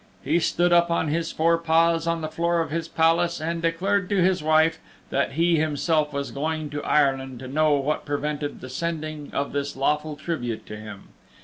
He stood up on his four paws on the floor of his palace, and declared to his wife that he himself was going to Ireland to know what prevented the sending of his lawful tribute to him.